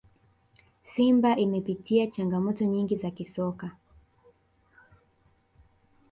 simba imepitia changamoto nyingi za kisoka